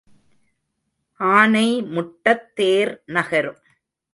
ஆனை முட்டத் தேர் நகரும்.